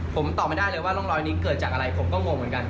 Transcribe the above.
ผมตอบไม่ได้เลยว่าร่องรอยนี้เกิดจากอะไรผมก็งงเหมือนกัน